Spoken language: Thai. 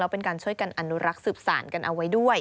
เป็นการช่วยกันอนุรักษ์สืบสารกันเอาไว้ด้วย